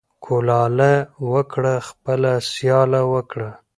ـ کولاله وکړه خپله سياله وکړه.